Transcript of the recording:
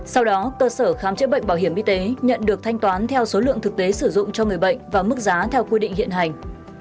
sau đó cơ sở khám chữa bệnh bảo hiểm y tế nhận được thanh toán theo số lượng thực tế sử dụng cho người bệnh và mức giá theo quy định hiện hành